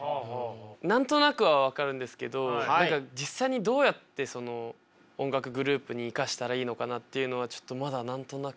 何となくは分かるんですけど実際にどうやってその音楽グループに生かしたらいいのかなっていうのはちょっとまだ何となく。